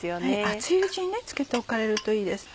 熱いうちに漬けておかれるといいです。